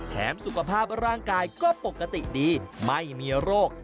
สุขภาพร่างกายก็ปกติดีไม่มีโรค